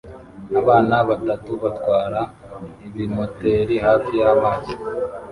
Abana batatu batwara ibimoteri hafi y'amazi